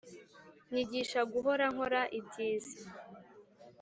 Nyigisha guhora nkora ibyiza